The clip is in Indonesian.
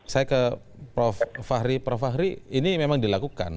saya ke prof fahri prof fahri ini memang dilakukan